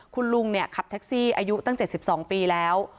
คุณลุงขับแท็กซี่อายุตั้ง๗๒ปีแล้ว